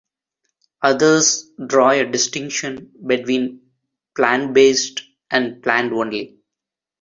Others draw a distinction between "plant-based" and "plant-only".